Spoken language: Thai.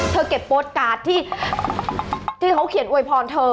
เธอเก็บโพสต์การ์ดที่เขาเขียนโวยพรเธอ